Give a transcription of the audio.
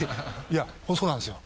そうなんですよ。